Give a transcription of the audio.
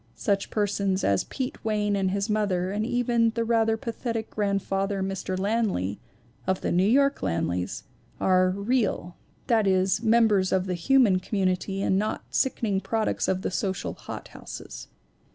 Such persons as Pete Wayne and his mother, and even the rather pathetic grandfather Mr. Lanley (of the New York Lanleys) are "real," that is, members of the human community and not sickening products of the social hothouses.